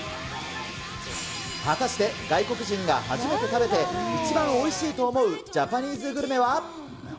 果たして、外国人が初めて食べて一番おいしいと思うジャパニーズグルメは？